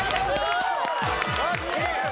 ラッキー！